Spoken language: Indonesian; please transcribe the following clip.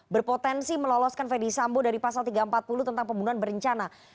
berpotensi meloloskan fedy sambo dari pasal tiga ratus empat puluh tentang pembunuhan berencana